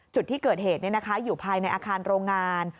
จุดที่เกิดเหตุอยู่ภายในอาคารโรงงาน